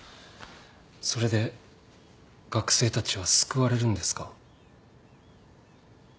それで学生たちは救われるんですか？